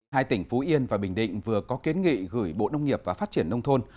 hai tỉnh phú yên và bình định vừa có kiến nghị gửi bộ nông nghiệp và phát triển nông thôn